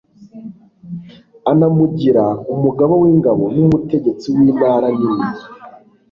anamugira umugaba w'ingabo n'umutegetsi w'intara nini